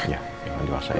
ya jangan diwasain